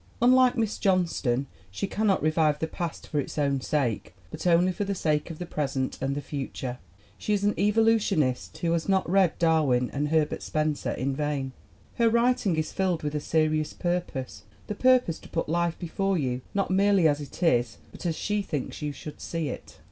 Unlike Miss Johnston, she cannot revive the past for its own sake, but only for the sake of the present and the future. She is an evolutionist who has not read Dar win and Herbert Spencer in vain. Her writing is 20 ELLEN GLASGOW 21 filled with a serious purpose, the purpose to put life before you not merely as it is but as she thinks you should see it.